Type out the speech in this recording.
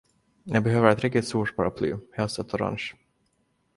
Jag behöver ett riktigt stort paraply, helst ett orange.